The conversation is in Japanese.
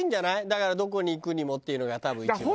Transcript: だからどこに行くにもっていうのが多分一番。